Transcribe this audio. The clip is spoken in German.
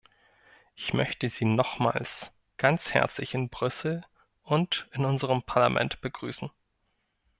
Ich möchte Sie nochmals ganz herzlich in Brüssel und in unserem Parlament begrüßen.